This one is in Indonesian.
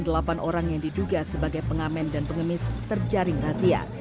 delapan orang yang diduga sebagai pengamen dan pengemis terjaring razia